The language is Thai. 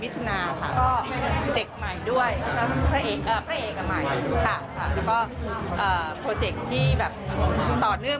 แต่๑เมษาปีที่แล้ว